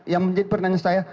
yang menjadi pertanyaan saya